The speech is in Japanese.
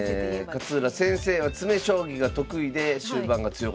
勝浦先生は詰将棋が得意で終盤が強かった。